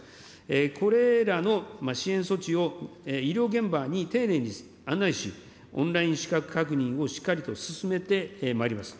これらの支援措置を医療現場に丁寧に案内し、オンライン資格確認をしっかりと進めてまいります。